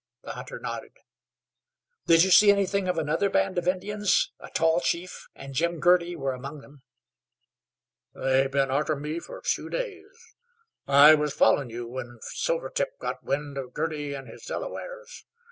The hunter nodded. "Did you see anything of another band of Indians? A tall chief and Jim Girty were among them." "They've been arter me fer two days. I was followin' you when Silvertip got wind of Girty an' his Delawares.